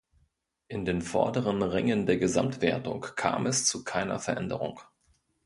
In den vorderen Rängen der Gesamtwertung kam es zu keiner Veränderung.